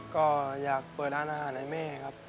ก็อยากเปิดร้านอาหารให้แม่ครับ